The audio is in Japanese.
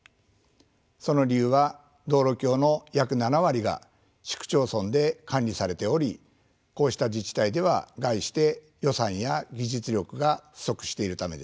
その理由は道路橋の約７割が市区町村で管理されておりこうした自治体では概して予算や技術力が不足しているためです。